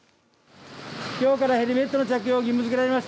きょうからヘルメットの着用を義務付けられました。